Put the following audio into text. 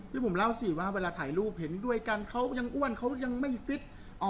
แล้วผมเล่าสิว่าเวลาถ่ายรูปเห็นด้วยกันเขายังอ้วนเขายังไม่ฟิต